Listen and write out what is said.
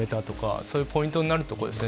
そういうポイントになるところですね。